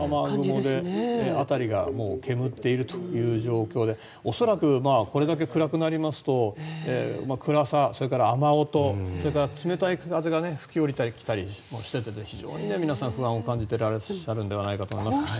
辺りがもう煙っているという状況で恐らくこれだけ暗くなりますと暗さ、それから雨音それから冷たい風が吹き下りたりしていて非常に皆さん不安を感じていらっしゃるんではないかと思います。